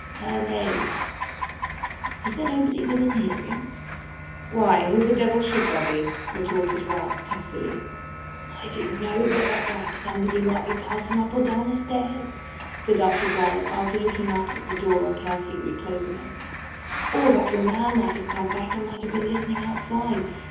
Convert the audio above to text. Her name is there nobody within hearing?' 'Why, who the devil should there be?' retorted Ralph, testily. 'I didn't know but that perhaps somebody might be passing up or down the stairs,' said Arthur Gride, after looking out at the door and carefully reclosing it; 'or but that your man might have come back and might have been listening outside.